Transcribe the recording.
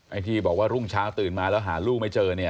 ไอ้ที่บอกว่ารุ่งเช้าตื่นมาแล้วหาลูกไม่เจอเนี่ย